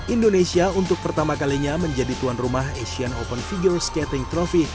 indonesia untuk pertama kalinya menjadi tuan rumah asian open figure skating trofi